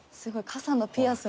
傘のピアス？